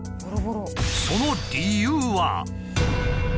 その理由は？